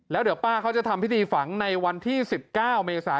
แล้วเดี๋ยวป้าเขาจะทำพิธีฝังในวันที่๑๙เมษา